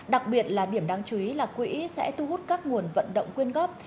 đặc biệt là điểm đáng chú ý là quỹ sẽ thu hút các nguồn vận động quyên góp